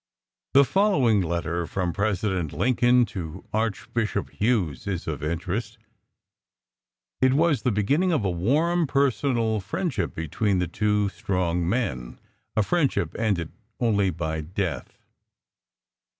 The following letter from President Lincoln to Archbishop Hughes is of interest. It was the beginning of a warm personal friendship between two strong men a friendship ended only by death.